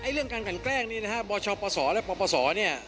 เรื่องการกันแกล้งนี้นะฮะบชปศและปปศเนี่ย